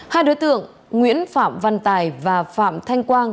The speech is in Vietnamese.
hai đối tượng nguyễn phạm văn tài và phạm thanh quang